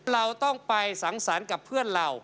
เราต้องไปสังสรรค์กับเพื่อนเรา